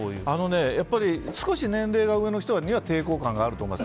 やっぱり少し年齢が上の人には抵抗感があると思います。